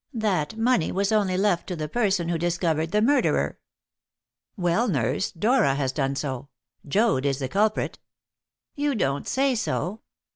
"That money was only left to the person who discovered the murderer." "Well, nurse, Dora has done so. Joad is the culprit." "You don't say so!